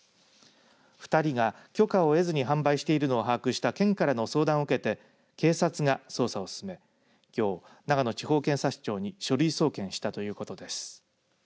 ２人が許可を得ずに販売しているのを把握した県からの相談を受けて警察が捜査を進めきょう、長野地方検察庁に書類送検したということです。